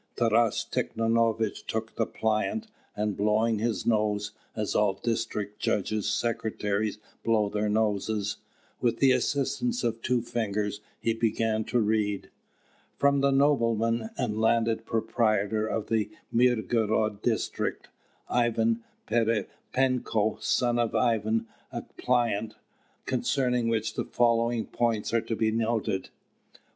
Taras Tikhonovitch took the plaint; and blowing his nose, as all district judges' secretaries blow their noses, with the assistance of two fingers, he began to read: "From the nobleman and landed proprietor of the Mirgorod District, Ivan Pererepenko, son of Ivan, a plaint: concerning which the following points are to be noted: "1.